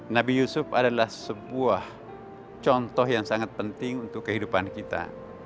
nabi yusuf adalah sebuah contoh yang sangat penting untuk kehidupan kita